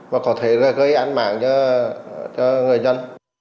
và có thể gây ánh mạng cho người dân